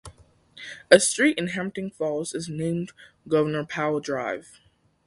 A street in Hampton Falls is named Governor Powell Drive.